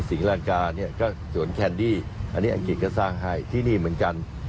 ศรีรากาเนี่ยก็สวนแคนดี้อันนี้อังกฤษก็สร้างให้ที่นี่เหมือนกัน